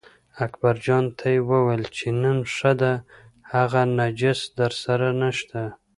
اکبرجان ته یې وویل چې نن ښه ده هغه نجس درسره نشته.